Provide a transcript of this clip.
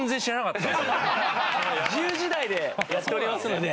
１０時台でやっておりますので。